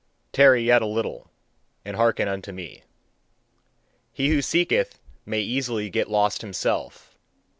Tarry yet a little and hearken unto me. "He who seeketh may easily get lost himself.